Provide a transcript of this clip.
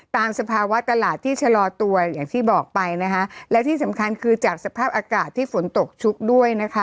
สภาวะตลาดที่ชะลอตัวอย่างที่บอกไปนะคะและที่สำคัญคือจากสภาพอากาศที่ฝนตกชุกด้วยนะคะ